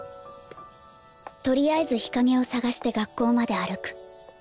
とりあえず日陰を探して学校まで歩く。